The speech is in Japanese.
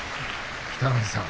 北の富士さん